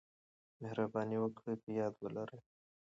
مهرباني وکړئ په یاد ولرئ: